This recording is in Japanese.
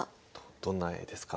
どんな絵ですか？